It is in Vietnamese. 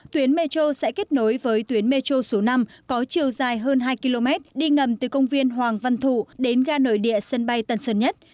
tuyến metro sẽ kết nối với tuyến metro số năm có chiều dài hơn hai km đi ngầm từ công viên hoàng văn thụ đến ga nội địa sân bay tân sơn nhất